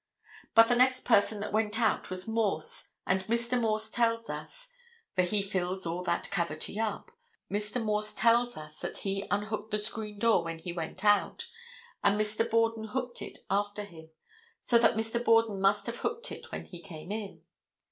But the next person that went out was Morse, and Mr. Morse tells us—for he fills all that cavity up—Mr. Morse tells us that he unhooked the screen door when he went out and Mr. Borden hooked it after him, so that Mr. Borden must have hooked it when he came in.